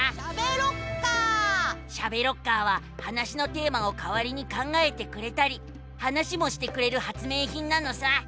「しゃべロッカー」は話のテーマをかわりに考えてくれたり話もしてくれる発明品なのさ！